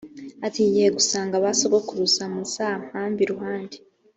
ati ngiye gusanga ba sogokuruza muzampambe iruhande